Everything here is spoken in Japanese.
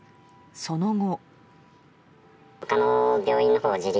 その後。